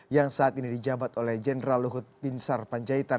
yang saat ini dijabat oleh jenderal luhut pinsar panjaitan